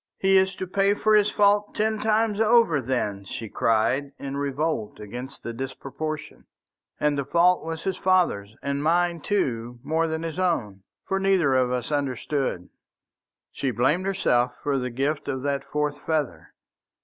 "He is to pay for his fault ten times over, then," she cried, in revolt against the disproportion. "And the fault was his father's and mine too more than his own. For neither of us understood." She blamed herself for the gift of that fourth feather.